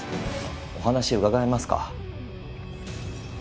お話伺えますか？